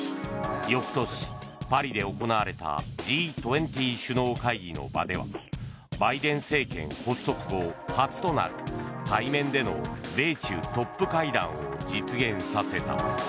翌年パリで行われたＧ２０首脳会議の場ではバイデン政権発足後初となる対面での米中トップ会談を実現させた。